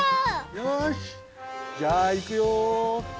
よしじゃあいくよ。